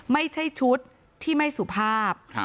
ไม่ใช่ชุดที่ไม่สุภาพ